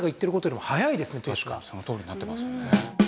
確かにそのとおりになってますよね。